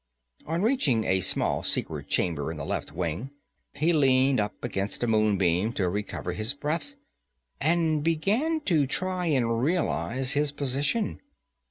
On reaching a small secret chamber in the left wing, he leaned up against a moonbeam to recover his breath, and began to try and realize his position.